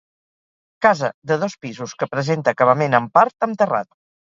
Casa de dos pisos que presenta acabament, en part, amb terrat.